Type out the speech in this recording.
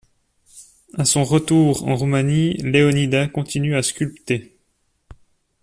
À son retour en Roumanie, Leonida continue à sculpter.